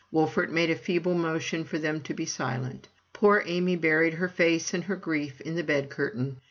Wolfert made a feeble motion for them to be silent. Poor Amy buried her face and her grief in the bed curtain.